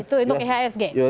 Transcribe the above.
itu untuk khsg